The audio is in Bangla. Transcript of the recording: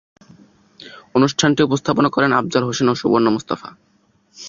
অনুষ্ঠানটি উপস্থাপনা করেন আফজাল হোসেন ও সুবর্ণা মুস্তাফা।